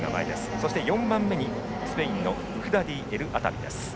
そして４番目にスペインのウフダディエルアタビ。